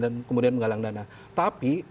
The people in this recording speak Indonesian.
dan kemudian menggalang dana tapi